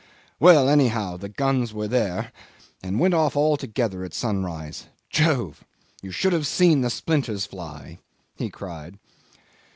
"Well, anyhow the guns were there, and went off all together at sunrise. Jove! You should have seen the splinters fly," he cried.